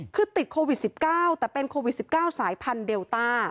คือติดโควิด๑๙แต่เป็นโควิด๑๙สายพันธุเดลต้า